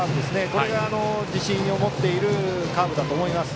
これが自信を持っているカーブだと思います。